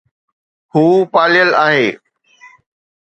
هو پاليل آهي